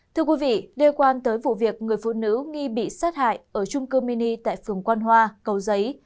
thưa quý vị đề quan tới vụ việc người phụ nữ nghi bị sát hại ở chung cơ mini tại phường quang hoa cầu giấy